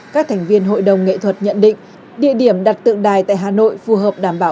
các thành viên hội đồng nghệ thuật nhận định địa điểm đặt tượng đài tại hà nội phù hợp đảm bảo